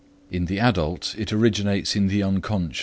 In the adult it originates in the Unc.